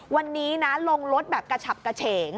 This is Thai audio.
วันนี้นะลงรถแบบกระฉับกระเฉง